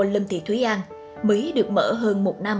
lâm thị thúy an mới được mở